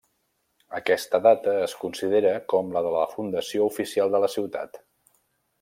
Aquesta data es considera com la de la fundació oficial de la ciutat.